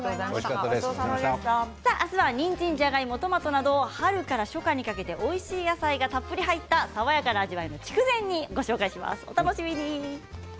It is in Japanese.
明日は、にんじん、じゃがいもトマトなど春から初夏にかけておいしい野菜がたっぷり入った爽やかな味わいの筑前煮をご紹介します。